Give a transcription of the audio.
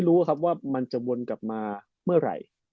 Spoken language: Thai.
รู้ครับว่ามันจะวนกลับมาเมื่อไหร่